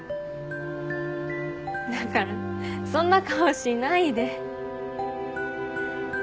だからそんな顔しないで。